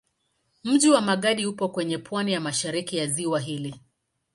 Mji wa Magadi upo kwenye pwani ya mashariki ya ziwa hili.